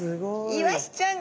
イワシちゃん